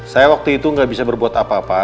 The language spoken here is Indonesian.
saya waktu itu nggak bisa berbuat apa apa